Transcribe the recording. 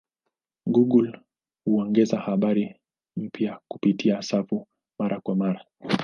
Google huongeza habari mpya kupitia safu mara kwa mara.